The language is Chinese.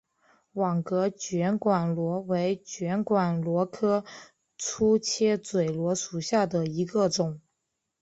网格卷管螺为卷管螺科粗切嘴螺属下的一个种。